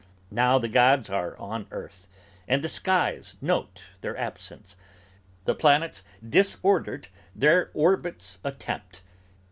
Now the gods are on earth and the skies note their absence; The planets disordered their orbits attempt!